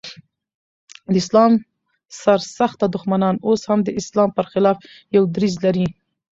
د اسلام سر سخته دښمنان اوس هم د اسلام پر خلاف يو دريځ لري.